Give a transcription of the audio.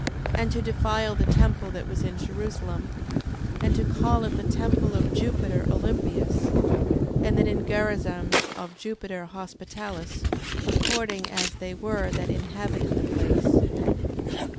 And to defile the temple that was in Jerusalem, and to call it the temple of Jupiter Olympius: and that in Garazim of Jupiter Hospitalis, according as they were that inhabited the place.